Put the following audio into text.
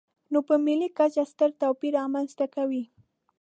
نو په ملي کچه ستر توپیر رامنځته کوي.